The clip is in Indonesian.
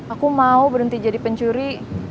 aku mau berhenti jadi pencuri